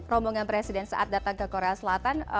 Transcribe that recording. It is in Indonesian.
rombongan presiden saat datang ke korea selatan